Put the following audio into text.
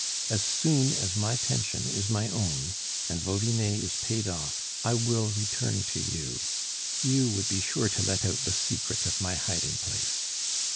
As soon as my pension is my own, and Vauvinet is paid off, I will return to you. You would be sure to let out the secret of my hiding place.